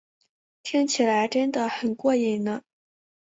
听起来真得很过瘾呢